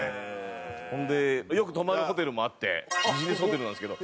ほんでよく泊まるホテルもあってビジネスホテルなんですけど。